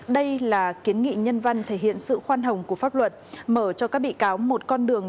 đây là kiến nghị nhân văn thể hiện sự khoan hồng của pháp luật mở cho các bị cáo một con đường